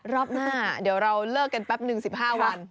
รอบหน้าเดี๋ยวเราเลิกกันแป๊บหนึ่ง๑๕วัน